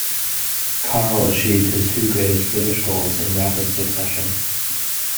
Karl achieved his two greatest British goals in rapid succession.